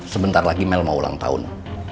sebentar lagi mel mau ulang tahun